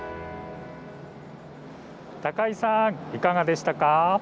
高井さん、いかがでしたか。